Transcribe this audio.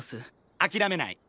諦めない。